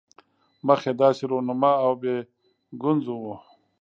مخ یې داسې رونما او بې ګونځو وو.